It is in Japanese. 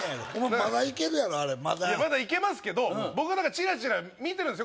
まだいけるやろあれまだいやまだいけますけど僕は何かチラチラ見てるんですよ